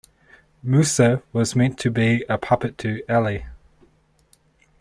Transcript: Musa was meant to be a puppet to 'Ali.